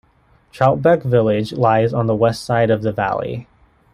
Troutbeck village lies on the west side of the valley.